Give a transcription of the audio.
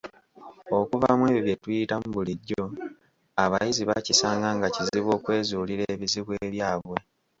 Okuva mu ebyo bye tuyitamu bulijjo, abayizi bakisanga nga kizibu okwezuulira ebizibu ebyabwe.